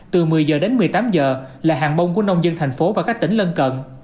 từ một mươi h đến một mươi tám h là hàng bông của nông dân thành phố và các tỉnh lân cận